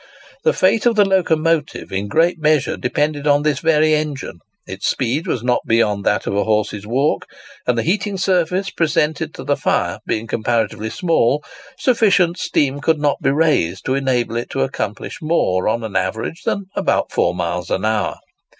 The fate of the locomotive in a great measure depended on this very engine. Its speed was not beyond that of a horse's walk, and the heating surface presented to the fire being comparatively small, sufficient steam could not be raised to enable it to accomplish more on an average than about four miles an hour.